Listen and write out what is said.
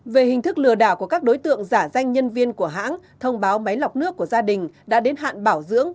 về hình thức lừa đảo của các đối tượng giả danh nhân viên của hãng thông báo máy lọc nước của gia đình đã đến hạn bảo dưỡng